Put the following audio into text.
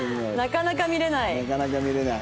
なかなか見れない。